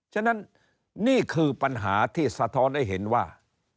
ฉะนั้นนี่คือปัญหาที่สะท้อนให้เห็นว่า